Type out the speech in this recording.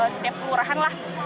setiap pelurahan lah